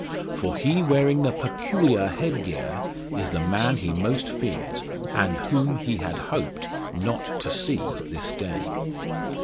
For he wearing the "peculya head gear" is the man he most fears, and whom he had hoped not to see this day.